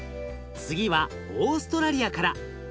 次はオーストラリアから。